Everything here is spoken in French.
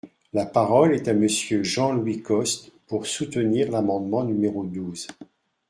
La parole est à Monsieur Jean-Louis Costes, pour soutenir l’amendement numéro douze.